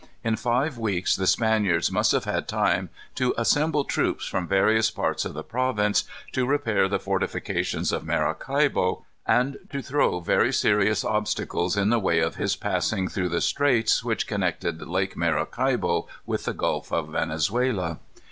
In five weeks the Spaniards must have had time to assemble troops from various parts of the province, to repair the fortifications of Maracaibo, and to throw very serious obstacles in the way of his passing through the straits which connected Lake Maracaibo with the Gulf of Venezuela.